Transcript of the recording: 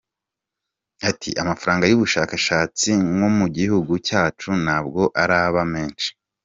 Ati “Amafaranga y’ubushakshatsi nko mu gihugu cyacu ntabwo araba menshi.